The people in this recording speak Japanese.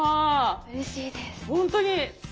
うれしいです。